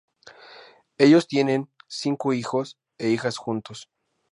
Ellos tienen cinco hijos e hijas juntos.